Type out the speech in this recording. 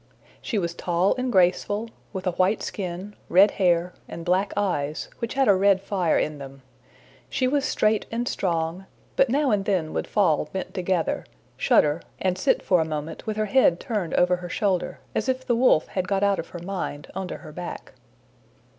She was tall and graceful, with a white skin, red hair, and black eyes, which had a red fire in them. She was straight and strong, but now and then would fall bent together, shudder, and sit for a moment with her head turned over her shoulder, as if the wolf had got out of her mind onto her back.